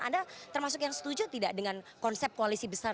anda termasuk yang setuju tidak dengan konsep koalisi besar